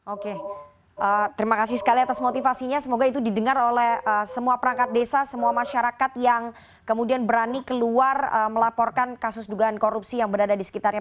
oke terima kasih sekali atas motivasinya semoga itu didengar oleh semua perangkat desa semua masyarakat yang kemudian berani keluar melaporkan kasus dugaan korupsi yang berada di sekitarnya